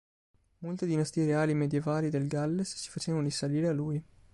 Molte dinastie reali medievali del Galles si facevano risalire a lui.